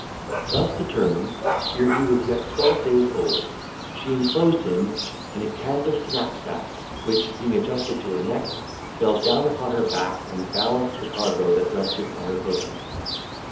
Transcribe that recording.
Thus determined, ere he was yet twelve days old, she enclosed him in a canvas knapsack, which being adjusted to her neck, fell down upon her back, and balanced the cargo that rested on her bosom.